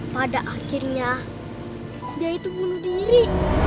pada akhirnya dia itu bunuh diri